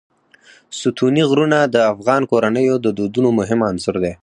ستوني غرونه د افغان کورنیو د دودونو مهم عنصر دی.